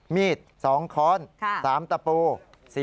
๑มีด๒คอน๓ตะโปร